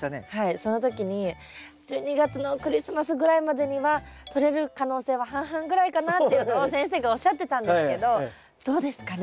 その時に１２月のクリスマスぐらいまでにはとれる可能性は半々ぐらいかなっていうのを先生がおっしゃってたんですけどどうですかね？